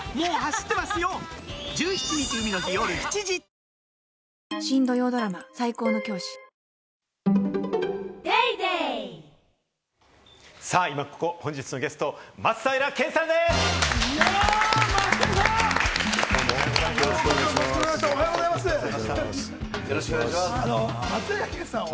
イマココ、本日のゲスト、松平健さんです。